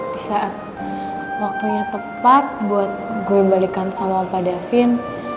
di saat waktunya tepat buat gue balikan sama pak davin